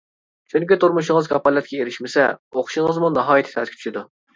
چۈنكى تۇرمۇشىڭىز كاپالەتكە ئېرىشمىسە، ئوقۇشىڭىزمۇ ناھايىتى تەسكە چۈشىدۇ.